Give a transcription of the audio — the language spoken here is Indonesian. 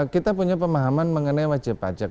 kita punya pemahaman mengenai wajib pajak